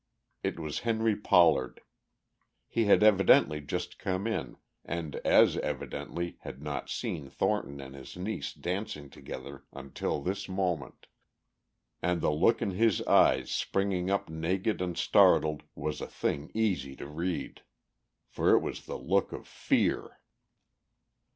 It was Henry Pollard. He had evidently just come in and as evidently had not seen Thornton and his niece dancing together until this moment. And the look in his eyes springing up naked and startled was a thing easy to read. For it was the look of fear!